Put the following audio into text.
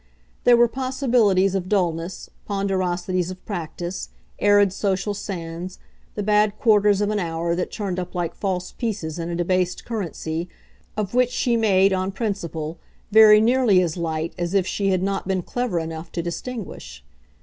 There were possibilities of dulness, ponderosities of practice, arid social sands, the bad quarters of an hour that turned up like false pieces in a debased currency, of which she made, on principle, very nearly as light as if she had not been clever enough to distinguish.